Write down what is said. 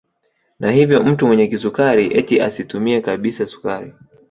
Na hivyo mtu mwenye kisukari eti asitumie kabisa sukari